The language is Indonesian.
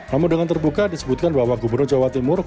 namun dengan terbuka disebutkan bahwa gubernur jawa timur